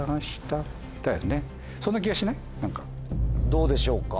どうでしょうか。